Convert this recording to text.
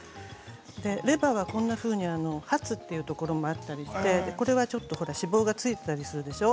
レバーがこんなふうにハツというところもあったりして、これは脂肪がついていたりするでしょう